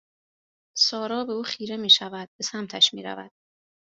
سارا به او خیره میشود به سمتش میرود